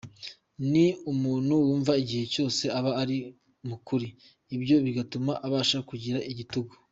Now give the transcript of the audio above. Ni umuntu wumva igihe cyose aba ari mukuri , ibyo bigatuma abasha kugira igitugu.